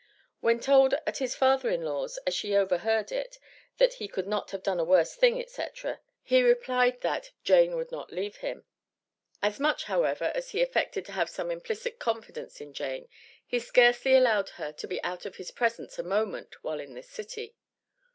When told at his father in law's, as she overheard it, that he "could not have done a worse thing," &c., he replied that "Jane would not leave him." As much, however, as he affected to have such implicit confidence in Jane, he scarcely allowed her to be out of his presence a moment while in this city.